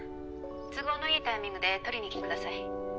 都合のいいタイミングで取りに来てください。